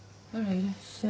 いらっしゃい。